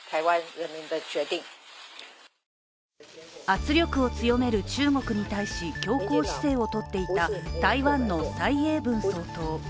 圧力を強める中国に対し強硬姿勢を取っていた、台湾の蔡英文総統。